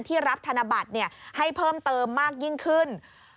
รับธนบัตรให้เพิ่มเติมมากยิ่งขึ้น